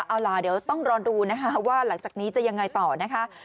เอาล่ะเดี๋ยวต้องรอดูนะคะว่าหลังจากนี้จะยังไงต่อนะคะ